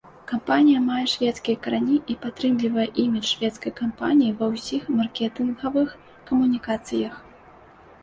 Кампанія мае шведскія карані і падтрымлівае імідж шведскай кампаніі ва ўсіх маркетынгавых камунікацыях.